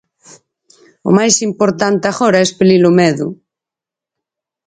O máis importante agora é espelir o medo.